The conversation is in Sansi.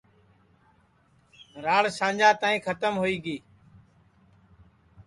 راڑ سانجا تائی کھتم ہوئی گی